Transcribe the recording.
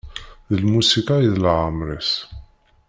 D lmusiqa i d leɛmer-is.